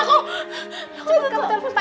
saya bisa membantu